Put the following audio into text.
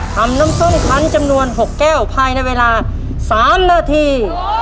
ทำน้ำส้มคันจำนวน๖แก้วภายในเวลา๓นาที